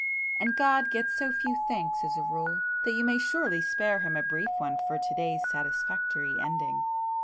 And God gets so few thanks as a rule that you may surely spare Him a brief one for to day's satisfactory ending."